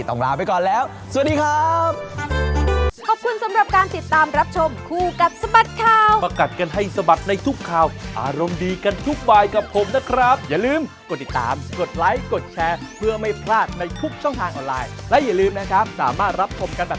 ลาไปก่อนแล้วสวัสดีครับ